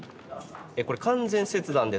これ完全切断です。